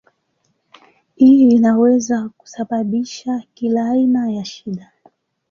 Hii inaweza kusababisha kila aina ya shida.